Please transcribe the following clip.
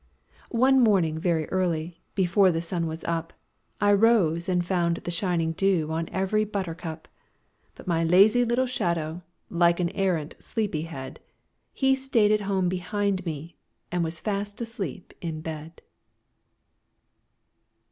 MY SHADOW [Pg 21] One morning, very early, before the sun was up, I rose and found the shining dew on every buttercup; But my lazy little shadow, like an arrant sleepy head, Had stayed at home behind me and was fast asleep in bed.